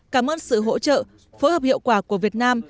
cảm ơn sự hỗ trợ phối hợp hiệu quả của việt nam